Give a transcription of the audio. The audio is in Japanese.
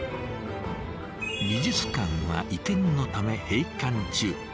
美術館は移転のため閉館中。